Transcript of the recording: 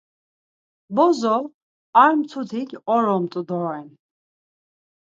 Bozo ar mtutik oromt̆u doren.